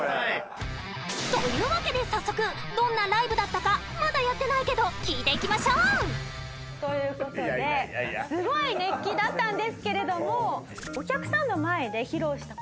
というわけで早速どんなライブだったかまだやってないけど聞いていきましょうという事ですごい熱気だったんですけれどもお客さんの前で披露した